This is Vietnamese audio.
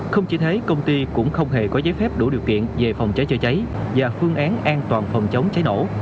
không chỉ thấy công ty cũng không hề có giấy phép đủ điều kiện về phòng cháy chữa cháy và phương án an toàn phòng chống cháy nổ